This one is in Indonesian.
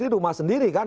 ini rumah sendiri kan